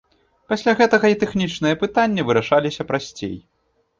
Пасля гэтага і тэхнічныя пытанні вырашаліся прасцей.